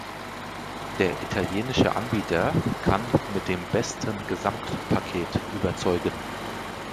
Der italienische Anbieter kann mit dem besten Gesamtpaket überzeugen.